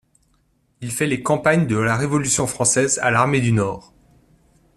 Il fait les campagnes de la Révolution française à l'armée du Nord.